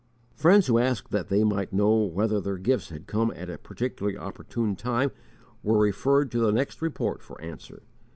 Friends who asked that they might know whether their gifts had come at a particularly opportune time were referred to the next Report for answer.